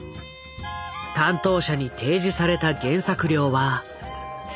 担当者に提示された原作料は３０万円。